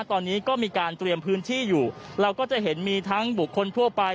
ตอนนี้ก็มีการเตรียมพื้นที่อยู่เราก็จะเห็นมีทั้งบุคคลทั่วไป